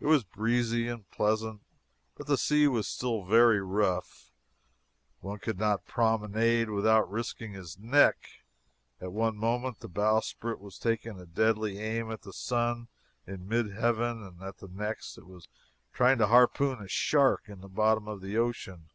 It was breezy and pleasant, but the sea was still very rough. One could not promenade without risking his neck; at one moment the bowsprit was taking a deadly aim at the sun in midheaven, and at the next it was trying to harpoon a shark in the bottom of the ocean.